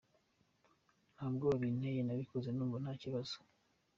Nta bwoba binteye nabikoze numva nta kibazo.